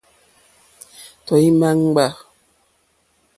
Tɔ̀ímá ŋɡbâ.